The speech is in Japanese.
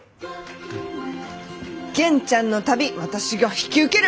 元ちゃんの旅私が引き受ける！